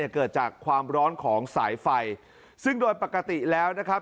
เกิดจากความร้อนของสายไฟซึ่งโดยปกติแล้วนะครับ